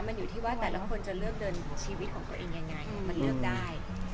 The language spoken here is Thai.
มันอยู่ที่ว่าแต่เรารู้ว่าจะเลือกเดินชีวิตของตัวเองยังไงงั้นเลือกได้